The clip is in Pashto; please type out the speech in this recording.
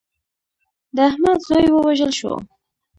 د احمد زوی ووژل شو.